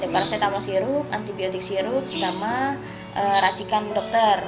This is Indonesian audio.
paracetamol sirup antibiotik sirup sama racikan dokter